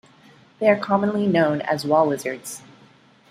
They are commonly known as wall lizards.